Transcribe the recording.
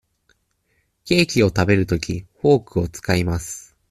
ケーキを食べるとき、フォークを使います。